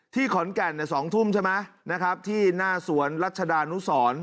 ที่ขอนแก่น๒ทุ่มที่หน้าสวนรัชดานุสร